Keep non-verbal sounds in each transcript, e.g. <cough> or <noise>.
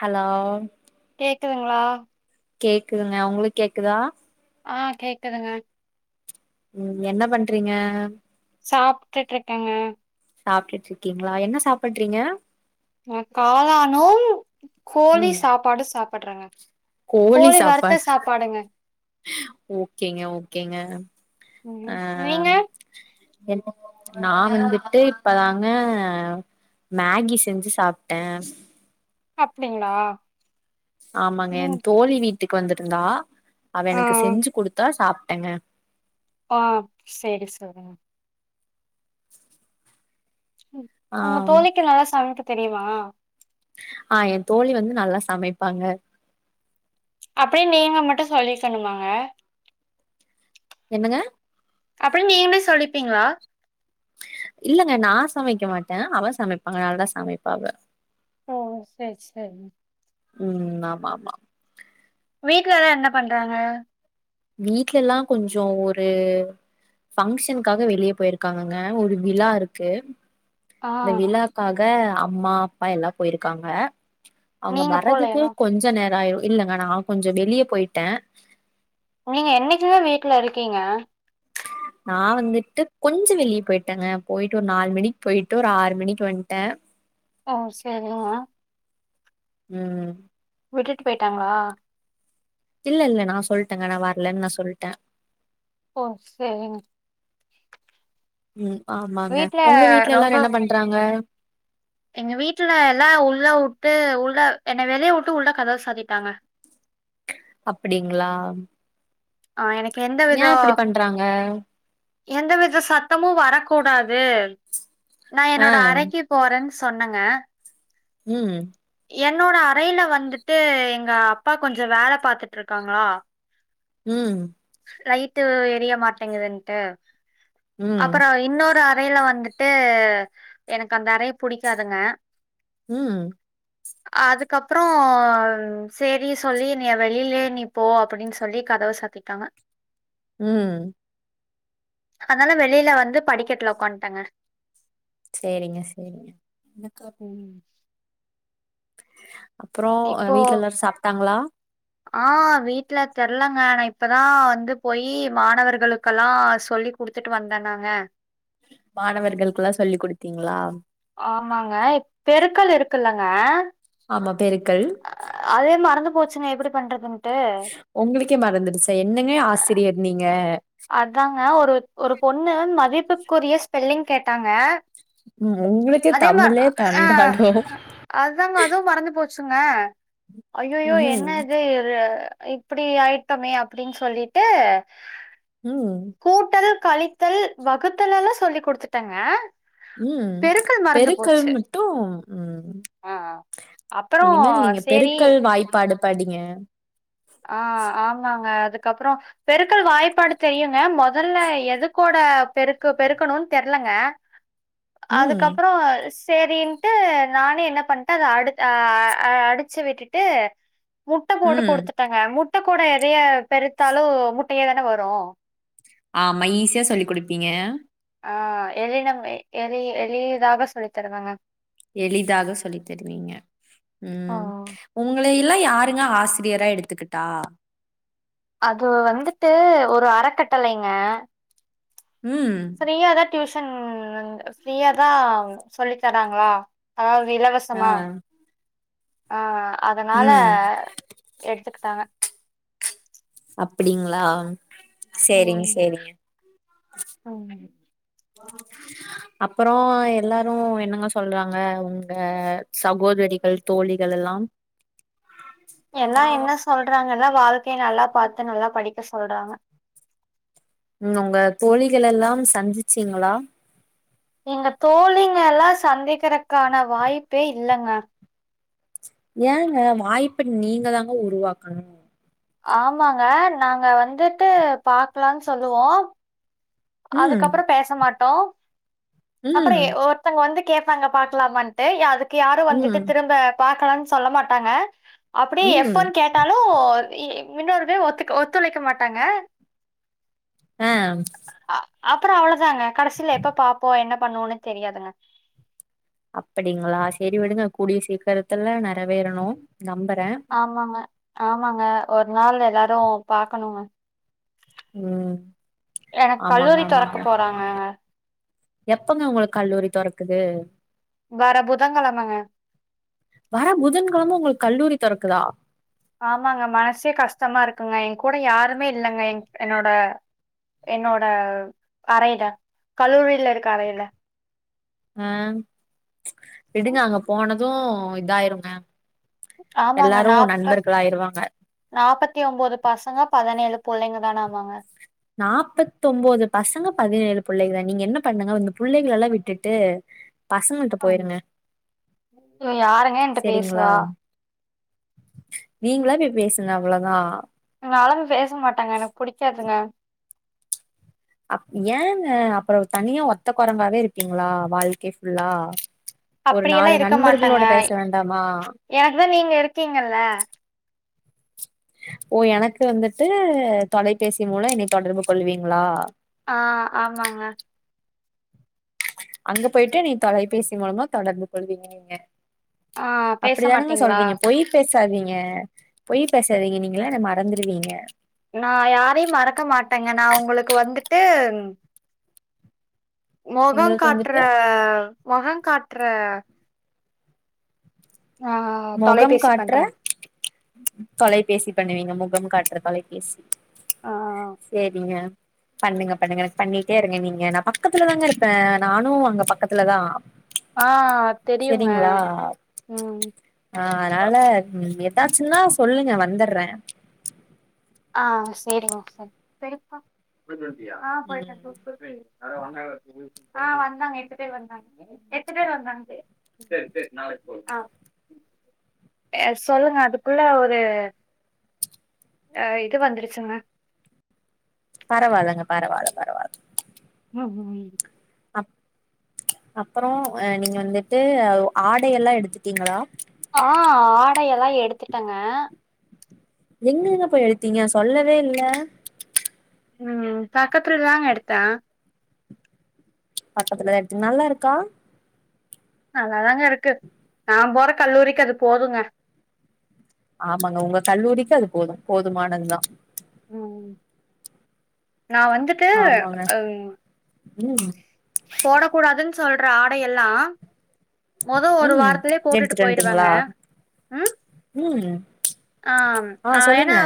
Hello கேக்குதுங்களா கேக்குதுங்க உங்களுக் கேக்குதா ஆ கேக்குதுங்க ம் என்ன பண்றீங்க சாப்ட்டுட்டுருக்கேங்க சாப்ட்டுட்டுருக்கீங்களா என்ன சாப்புட்றீங்க நா காளானு கோழி ம் சாப்பாடு சாப் ப்படுறங்க கோழி சாப்பாடு ஓகேங்க ஓகேங்க ம் ஆ நீங்க <unintelligible> நா வந்துட்டு இப்பதாங்க மேகி செஞ்சு சாப்பட்ட அப்டிங்களா ஆமாங்க என் ம் தோழி வீட் டுக்கு வந்துருந்தா அவ ஆ எனக்கு செஞ்சு குடுத்தா சாப்பட்டங்க ஆ சேரி சாதனா ம் ஆ உங்க தோழிக்கு நல்லா சமைக்க தெரியுமா ஆ ஏ தோழி வந்து நல்லா சமைப்பாங்க அப்டின்னு நீங்க மட்டும் சொல்லிக்கணுமாங்க என்னங்க அப்டின்னு நீங்களே சொல்லிப்பீங்களா இல்லங்க நான் சமைக்க மாட்டே அவ சமைப்பாங்க நல்லா சமைப்பா அவ ஓ செரி செரிங்க ம் ஆமா ஆமா வீட்லலா என்ன பண்றாங்க வீட்லலா கொஞ்சோ ஒரு பஃங்க்ஷனுக்காக வெளியே போயிருக்காங்கங்க ஒரு விளா இருக்கு ஆ அந்த விளாக்காக க அம்மா அப்பா எல்லா போயிருக்காங்க அவுங்க நீங்க வறதுக்கு போலையா கொஞ்ச நேரம் ஆயி இல்லங்க நான் கொஞ்சோ வெளிய போயிட்டே நீங்க என்னைக்குதான் வீட்ல இருக்கீங்க நான் வந்துட்டு கொஞ்சோ வெளியே போயிட்டேங்க போயிட்டு ஒரு நாலு மணிக்கு போயிட்டு ஒரு ஆறு மணிக்கு வண்ட்டே ஓ செரிங்க ம் விட்டுட்டு போய்ட்டாங்களா இல்ல இல்ல நான் சொல்லிட்டேங்க நான் வரலன்னு நான் சொல்ட்டே ஓ செரிங்க ம் ஆமாங்க வீட்ல உங்க வீட்டுல ரொம்ப எல்லாரும் என்ன பண்றாங்க எங்க வீட்டுல எல்லாம் உள்ள உட்டு உள்ள என்ன வெளிய உட்டு உள்ளா கதவு சாத்திட்டாங்க அப்டிங்களா ஆ எனக்கு எந்த ஏ விதோ இப்டி பண்றாங்க எந்தவித சத்தமு வரக் கூடாது நான் ஆ என்னோட அறைக்கு போறன் சொன்னங்க ம் என்னோட அறையில வந்துட்டு எங்க அப்பா கொஞ்சோ வேல பாத்துட்டு இருக்காங்ளா உம் லைட்டு எரிய மாட்டேங்குதுன்ட்டு ம் அப்பறோ இன்னொரு அறையில வந்துட்டு எனக்கு அந்த அறைய புடிக்காதுங்க ம் அதுக்கப்பறோ செரி சொல்லி நீ வெளியிலயே நீ போ அப்டின்னு சொல்லி கதவ சாத்திட்டாங்க ம் அதனால வெளில வந்து படிக்கட்டல உக்காட்டேங்க செரிங்க செரிங்க ம் அப்பறோ வீட்ல எல்லாரும் சாப்ட்டாங்களா ஆஹ் வீட்ல தெரலங்க ஆனா இப்பதான் வந்து போயி மாணவர்களுக்கெல்லாம் சொல்லி குடுத்துட்டு வந்தேனாங்க மாணவர்களுக்குல்லா சொல்லி கொடுத்தீங்களா ஆமாங்க பெருக்கள் இருக்குல்லங்க ஆமா பெருக்கல் போச்சு எப்டி பண்றது உங்களுக்கே மறந்துடுச்சா என்னங்க ஆசிரியர் நீங்க அதாங்க ஒரு ஒரு பொண்ணு மதிப்புக்குரிய ஸ்பெல்லிங் கேட்டாங்க உ உங்களுக்கு அதே மா தமிழே ஆ தண்டாடு சுங்க ஐய்யயோ என்ன ம் இது இப்பிடி ஆயிட்டோமே அப்டின்னு சொல்லிட்டு ம் கூட்டல் கழித்தல் வகுத்தல் எல்லா சொல்லி் குடுத்துட்டங்க உம் பெருக்கல் மட்டு உம் ஆ ஆ அப்புறம் இனிமேல் நீங்க பெருக்கல் வாய்ப்பாடு படிங்க ஆஹ் ஆமாங்க அதுக்கப்புற பெருக்கல் வாய்ப்பாடு தெரியுங்க முதல்ல எதுக்கோட பெருக்கு பெருக்கணும்னு தெரியலங்க ம் அதுக்கப்புறோ சேரின்ட்டு நானே என்ன பண்ணிட்டே அத அடுச்சு விட்டுட்டு முட்ட போடு ம் குடுத்து முட்ட கூட எதைய பெருத்தாலு முட்டையே தான வரு ஆமா ஈஸியா சொல்லி் கொடுப்பீங்க ஆஹ் எ நம் எ எளிதாக சொல்லித் தருவேங்க எளிதாக சொல்லி தருவீங்க ஆ. உம் உங்க இ எல்லா யாருங்க ஆசிரியரா எடுத்துக்கிட்டா அது வந்துட்டு ஒரு அறக்கட்டளைங்க உம் ஃப்ரீயா தான் டியூஷன் ஃபிரியா தா சொல்லி தராங்களா அதாவது ஆ இலவசமா ஆஹ் அதனால ம் எடுத்துக்கிட்டாங்க அப்டிங்களா சேரிங் ம். சேரிங்க ம். அப்பறோ எல்லாரு என்னங்க சொல்றாங்க உங்க சகோதரிகள் தோழிகள் எல்லா எல்லா என்ன சொல்றாங்க வாழ்க் ஓகே நல்லா பாத்து நல்லா படிக்க சொல்றாங்க உம் உங்க தோழிகள் எல்லாம் சந்திச்சீங்களா எங்க தோழிங்க எல்லாம் சந்திக்கிறதுக்கான வாய்ப்பே இல்லங்க எங்க வாய்ப்பு நீங்க தாங்க உருவாக்கணு ஆமாங்க நாங்க வந்துட்டு பாக்கலானு சொல்லுவோ ம் அதுக்கப்புறோ பேச மாட் ஹலோ அப்பறோ ம் ஒருத்தங்க வந்து கேப்பாங்க பாக்கலாமான்னுட்டு அதுக்கு யாரும் வந்துட்டு ம் திரும்ப பா க்கலனு சொல்ல மாட்டாங்க அப்படியே ம் எஃப்பன்னு கேட்டாலும் இன்னொரு பேர் ஒத்துக்க ஒத்துழைக்க மாட்டாங்க ஆ அப்பறோ அவ்வளோ நாங்க கடைசில எப்ப பாப்போ என்ன பண்ணோன்னு தெரியாதுங்க அப்டிங்களா செரி விடுங்க கூடிய சீக்கிரத்துல நெறவேறணும் ஆமாங்க ஆமாங்க ஒரு நாள் எல்லாரு பாக்கணும்ங்க ம் எனக்கு ஆமாங்க கல்லூரி தொறக்க ஆமாங்க போறாங்க எப்பங்க உங்களுக்கு கல்லூரி தொறக்குது வர புதன்கிழமைங்க வர புதன்கெழம உங்களுக்கு கல்லூரிக்கு தொறகுதா ஆமாங்க மனசே கஷ்டமா இருக்குங்க என் கூட யாருமே இல்லங்க என் என்னோட என்னோட அறைல கல்லூரியில இருக்க அறைல ஆ விடுங்க அங்க போனது இதாயிருங்க ஆமாங்க எல்லாரு நாப்பத் நண்பர்களாயிருவாங்க நாற்பத்தி ஒன்பது பசங்க பதினேழு புள்ளைங்க தான ஆமாங்க நாப்பத்த ஒன்பது பசங்க பதினேழு புள்ளைகள் தான் நீங்க என்ன பண்ணுங்க இந்த புள்ளைகள் எல்லாம் விட்டுட்டு பசங்கள்ட்ட போயிருங்க அ யாருங்க என்ட்ட செரிங்களா பேசுவா நீங்களா போய் பேசு நா அவ்ளதான் நாலா பேச மாட்டாங்க எனக்கு புடிக்காதுங்க அ ஏங்க அப்பறோ தனியா ஒத்த கொரங்காவே இருப்பீங்களா வாழ்க்க ஃபுல்லா ஒரு நாலு அப்படியெல்லாம் இருக்க மாட்டேங்க நண்பர்களோட பேச வேண்டாமா எனக்கு தா நீங்க இருக்கீங்கல்ல ஓ எனக்கு வந்துட்டு தொலைபேசி மூலம் என்னை தொடர்பு கொள்வீங்களா ஆ ஆமாங்க அங்க போயிட்டு நீ தொலைபேசி மூலமா தொடர்பு கொள்வீங்க நீங்க ஆ பேச அப்படிதானங்க மாட்டீங்களா? சொல்றீங்க பொய் பேச தருவீங்க பொய் பேசாதீங்க நீங்களா என்ன மறந்துருவீங்க நா யாரையும் மறக்க மாட்டேங்க நா உங்களுக்கு வந்துட்டு மொகங் எங்களுக்கு காட்டுற வந்துட்டு மொகங் காட்டுற ஆ மொகம் தொலைபேசி காட்டுற பண்றேங்க. தொலைபேசி பண்ணுவீங்க முகம் காட்டற தொலைபேசி ஆ சேரிங்க பண்ணுங்க பண்ணுங்க எனக்கு பண்ணிட்டே இருங்க நீங்க நா பக்கத்துலதாங்க இருப்பேன் நானும் அங்க பக்கத்துலதான் ஆஹ் தெரியுங்க உம் ஆ அதனால உம் ஏதாச்சும்னா சொல்லுங்க வந்தறேன் ஆஹ் செரிங்க செரி செரிப்பா <unintelligible> ஆ ம் போயிட்டே <unintelligible> ஆஹ் வந்தாங்க எட்டு பேர் வந்தாங்க எட்டு பேரு வந்தாங்க சேரி சேரி நாளைக்கு போவோம் ஆ சொல்லுங்க அதுக்குள்ள ஒரு அஹ் இது வந்துருச்சுங்க பரவாலங்க பரவால பரவால உம் அப் அப்புறம் ஆஹ் நீங்க வந்துட்டு ஆடையெல்லா எடுத்துட்டீங்களா ஆஹ் ஆடையல்லா எடுத்துட்டேங்க எங்கங்க போய் எடுத்தீங்க சொல்லவே இல்ல உம் பக்கத்துல தாங்க எடுத்தே பக்கத்துல தா எடுத்தீங் நல்லா இருக்கா நல்லாதாங்க இருக்கு நா போற கல்லூரிக்கு அது போதுங்க ஆமாங்க உங்க கல்லூரிக்கு அது போதும் போதுமானது தா உம் நா வந்துட்டு அம் உம் போட கூடாதுன்னு சொல்ற ஆடையெல்லா மொத ஒரு ம் வாரத்திலயே போட்டுட்டு எடுத்துட்டு போயிடுவேங்க வந்ட்டீங்களா உம் ம் ஆம் ஆ ஆஹ் ஏன்னா சொல்லுங்க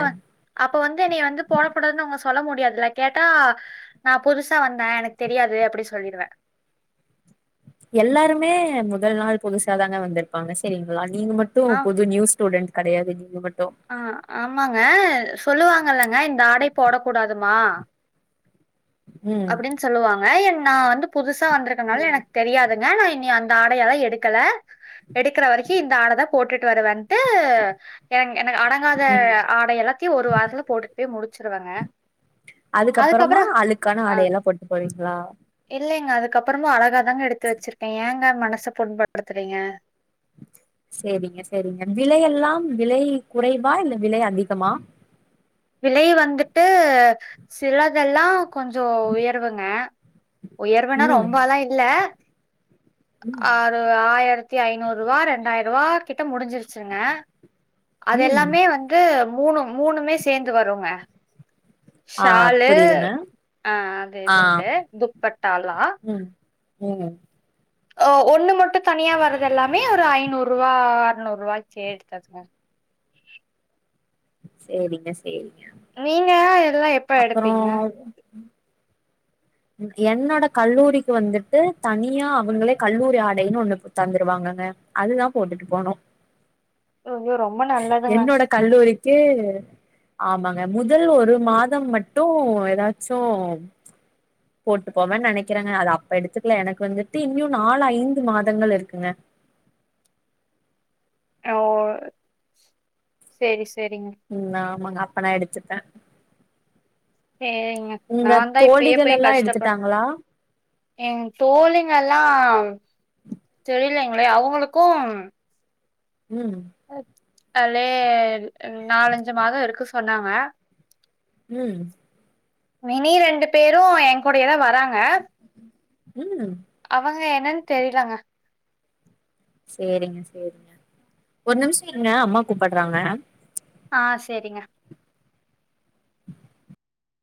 அப்ப வந்து நீ வந்து போடாக் கூடாதுன்னு உங்க சொல்ல முடியாதீல கேட்டா நா புதுசா வந்தேன் எனக்கு தெரியாது அப்டி சொல்லிடுவே எல்லாருமே முதல் நாள் புதுசாதாங்க வந்திருப்பாங்க செரிங்ளா நீங்க மட்டும் புது நியூஸ்டூடென்ட் கெடயாது நீங்க மட் ஆஹ் ஆம்மாங்க சொல்லுவாங்கல்லங்க இந்த ஆடை போடக் கூடாதுமா ம் அப்டின் சொல்லுவாங் ஆஹ் என் நா வந்து புதுசு சா வந்துருக்கனால எனக் தெரியாது ங்க நா இன்னி அந்த ஆடையெல்லா எடுக்கல எடுக்குற வரிக் கி இந்த ஆடதா போட்டுட்டு வரவ ட்டு எனக் எனக் அடங்காத ம் ஆடை எல்லாத்தியு ஒரு வாரத்துல போட்டுடே முடி ச்சிருவங்க அதுக்கப்பறமா அழுக்கான் ன ஆடேயெல்லா போட்டு போவீங்ளா இல்லேங்க அதுக்கப்பறமோ அழகா என்னாத்த எடுத்து வெச்சிருக்கிங்க க மனச புண்பட்டுருக்கிறீங்க சேரிங்க சேரிங்க விலையெல்லாம் விலை குறைவா இல்ல விலை அதிகமா விலை வந்துட்டு சிலதெல்லா கொஞ்சோ உயர்வுங்க உயர்வுனா ம் ரொம்பாலா இல்ல ம் ஆறு ஆயெரத் த்தி ஐநூற்ரூவா ரெண்டாயிரூவா கிட்ட முடிஞ்சிருச்சிங்க ம் அதெல்லாமே வந்து மூணும் மூணுமே சேந்து வருங்க ஆ ஷாலு புரியுதுங்க ஆஹ் அது ஆ இதுண்டே துப்பட்டாளா ம் ம் ஓ ஒண்ணு மட்டும் தனியா வர்றதெல்லாமே ஒரு ஐநூற் ரூவா அறநூற்ரூவாக் சே எடுத்தாச்ங்க சேரிங்க சேரிங்க நீீங்க இதல்லா எப்ப அப்பறோ எடுப்பீங்க என்னோட கல்லூரிக்கு வந்துட்டு தனியா அவ்ங்களே கல்லூரி ஆடைன்னு ஒண்ணுக் தந்துருவாங்கங்க அதுதா போட்டுட்டு போனு ஐயோ ரொம்ப நல்லதுங்க தே ஆமாங்க முதல் ஒரு மாதம் மட்டு ஏதாச்சு போட்டு போவன்னு நெனைக்கிறாங்க அது அப்ப எடுத்துக்கல எனக்கு வந்துட்டு இன்னியு நாலு ஐந்து மாதங்கள் இருக்குங்க அ ஓ சேரி செரிங்க ம் ஆமாங்க அப்ப நா எடுத்துப்பே சேரிங்க நா உங்க தா இப்பயே தோழிகள் போய் எல்லா கஷ்டபட் எடுத்துட்டாங்களா ஏ தோழிங்கெல்லா ம் தெரியலைங்களே அவுங்களுக்கு உம் அலே நாலஞ்சு மாத இருக்கு சொன்னாங்க ம் வினி ரெண்டு பேரு என் கூடையே தா வந் தாங்க ம் அவுங்க என் னன் தெரிலங்க சேரிங்க சேரிங்க ஒரு நிமிஷ இருங்க அம்மா கூப்புட்றாங்க ஆ செரிங்க